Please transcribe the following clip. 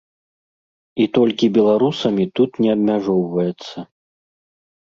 І толькі беларусамі тут не абмяжоўваецца.